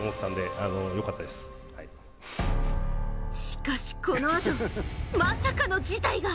しかし、このあとまさかの事態が